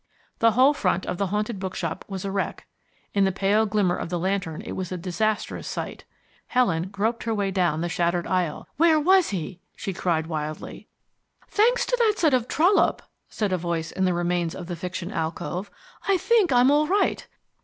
The whole front of the Haunted Bookshop was a wreck. In the pale glimmer of the lantern it was a disastrous sight. Helen groped her way down the shattered aisle. "Where was he?" she cried wildly. "Thanks to that set of Trollope," said a voice in the remains of the Fiction alcove, "I think I'm all right.